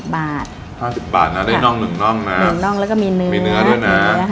๕๐บาท๕๐บาทนะได้น่องหนึ่งน่องนะหนึ่งน่องแล้วก็มีเนื้อด้วยนะ